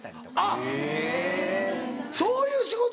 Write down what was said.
あっそういう仕事。